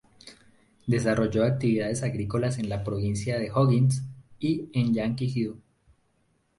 Desarrolló actividades agrícolas en la provincia de O’Higgins y en Llanquihue.